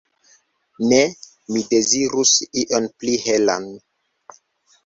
Ne, mi dezirus ion pli helan.